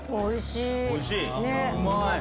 おいしい。